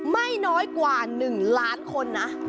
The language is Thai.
ไม่น้อยกว่า๑ล้านคนนะ